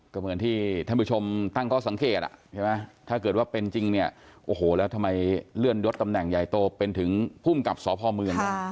ก็เหมือนที่ท่านผู้ชมตั้งข้อสังเกตถ้าเกิดว่าเป็นจริงแล้วทำไมเลื่อนลดตำแหน่งใหญ่โตเป็นถึงผู้กับสพมืน